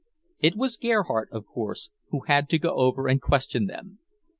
It was Gerhardt, of course, who had to go over and question them.